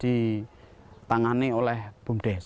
di tangani oleh bumdes